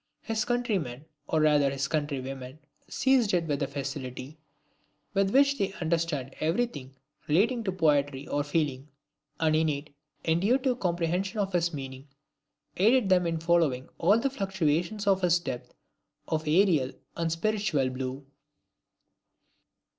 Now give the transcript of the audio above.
His countrymen, or rather his countrywomen, seized it with the facility with which they understand every thing relating to poetry or feeling; an innate, intuitive comprehension of his meaning aided them in following all the fluctuations of his depths of aerial and spiritual blue.